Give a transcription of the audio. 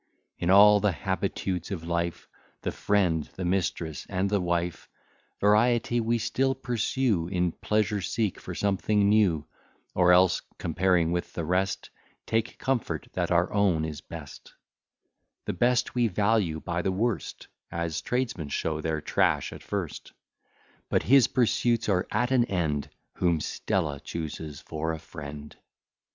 In all the habitudes of life, The friend, the mistress, and the wife, Variety we still pursue, In pleasure seek for something new; Or else, comparing with the rest, Take comfort that our own is best; The best we value by the worst, As tradesmen show their trash at first; But his pursuits are at an end, Whom Stella chooses for a friend.